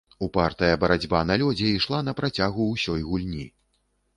Упартая барацьба на лёдзе ішла на працягу ўсёй гульні.